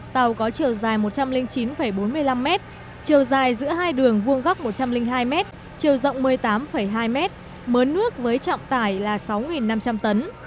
tàu có chiều dài một trăm linh chín bốn mươi năm m chiều dài giữa hai đường vuông góc một trăm linh hai m chiều rộng một mươi tám hai m mớ nước với trọng tải là sáu năm trăm linh tấn